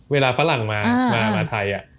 เวลาฝรั่งมาไทยอ่ะ